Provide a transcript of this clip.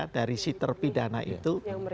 dari sitar pidana itu